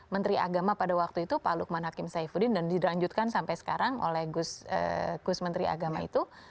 menteri agama pada waktu itu pak lukman hakim saifuddin dan dilanjutkan sampai sekarang oleh gus menteri agama itu